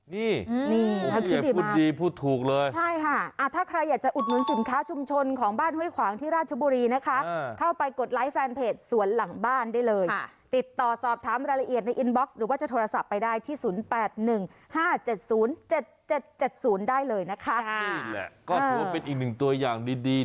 นี่แหละก็ถือว่าเป็นอีกหนึ่งตัวอย่างดี